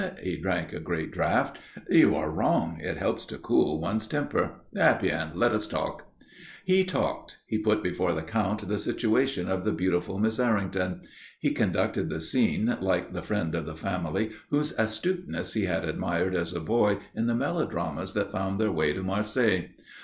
He drank a great draught. "You are wrong. It helps to cool one's temper. Eh bien, let us talk." He talked. He put before the Count the situation of the beautiful Miss Errington. He conducted the scene like the friend of the family whose astuteness he had admired as a boy in the melodramas that found their way to Marseilles.